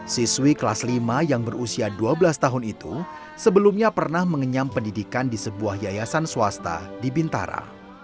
siswi kelas lima yang berusia dua belas tahun itu sebelumnya pernah mengenyam pendidikan di sebuah yayasan swasta di bintara